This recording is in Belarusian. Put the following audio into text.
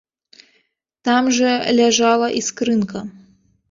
Там жа ляжала і скрынка.